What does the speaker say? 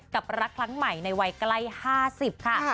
รักครั้งใหม่ในวัยใกล้๕๐ค่ะ